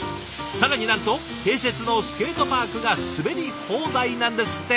更になんと併設のスケートパークが滑り放題なんですって。